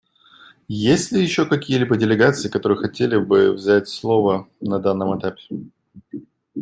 Есть ли еще какие-либо делегации, которые хотели бы взять слово на данном этапе?